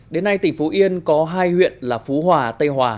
đến nay tỉnh phú yên có hai huyện là phú hòa tây hòa